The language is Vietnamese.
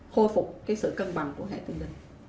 khôi phục sự cân bằng của hệ tiền đình